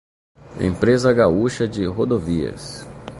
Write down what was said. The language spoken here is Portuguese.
Empresa Gaúcha de Rodovias